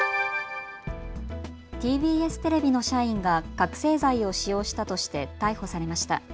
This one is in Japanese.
ＴＢＳテレビの社員が覚醒剤を使用したとして逮捕されました。